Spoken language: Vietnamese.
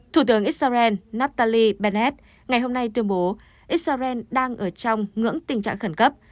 thủ tướng israel naftali bennett ngày hôm nay tuyên bố israel đang ở trong ngưỡng tình trạng khẩn cấp